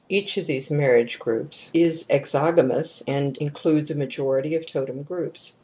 Each of these marriage groups is exogamous and includes a majority of tot em groups.